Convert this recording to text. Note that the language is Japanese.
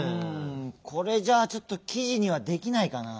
これじゃあちょっときじにはできないかな。